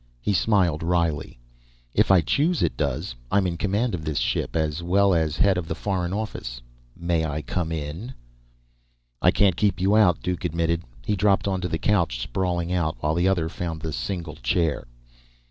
He smiled wryly. "If I choose, it does. I'm in command of this ship, as well as head of the Foreign Office. May I come in?" "I can't keep you out," Duke admitted. He dropped onto the couch, sprawling out, while the other found the single chair.